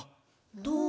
どう？